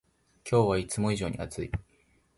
今日はいつも以上に暑い